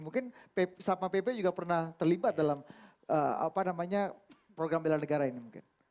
mungkin satpa pp juga pernah terlibat dalam program bela negara ini mungkin